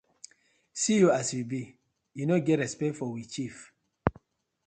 See yur as yu bi, yu no get respect for we chief.